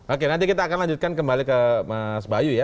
oke nanti kita akan lanjutkan kembali ke mas bayu ya